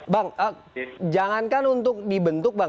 bang jangankan untuk dibentuk